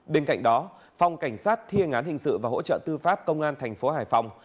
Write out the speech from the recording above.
bên cạnh đó phòng cảnh sát thiên án hình sự và hỗ trợ tư pháp công an thành phố hải phòng